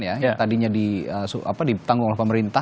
yang tadinya di tanggung oleh pemerintah